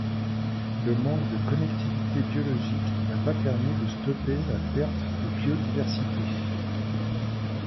Le manque de connectivité biologique n'a pas permis de stopper la perte de biodiversité.